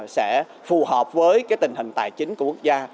sẽ phù hợp với tình hình tài chính của quốc gia